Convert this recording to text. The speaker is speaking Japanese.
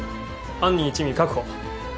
犯人一味確保。